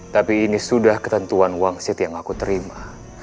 tapi ini sudah ketentuan wangsit yang aku terima